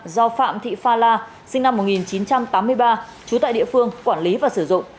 do phạm thị pha la sinh năm một nghìn chín trăm tám mươi ba trú tại địa phương quản lý và sử dụng